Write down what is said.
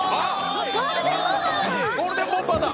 ゴールデンボンバーだ！